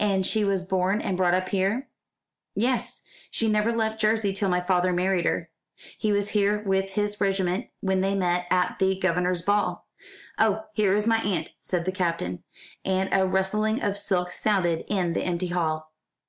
"And she was born and brought up here?" "Yes. She never left Jersey till my father married her. He was here with his regiment when they met at the governor's ball. Oh, here is my aunt," said the Captain, as a rustling of silk sounded in the empty hall.